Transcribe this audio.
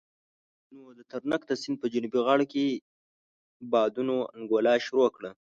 نو د ترنک د سيند په جنوبي غاړو کې بادونو انګولا شروع کړه.